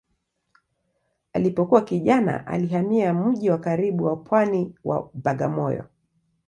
Alipokuwa kijana alihamia mji wa karibu wa pwani wa Bagamoyo.